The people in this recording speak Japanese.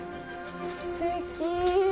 ステキ。